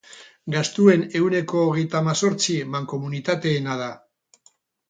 Gastuen ehuneko hogeita hamazortzi mankomunitateena da.